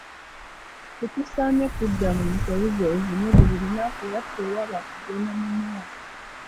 Tetusaanye kudda mu nsobi zeezimu buli lunaku era tewaba kugenda mu maaso.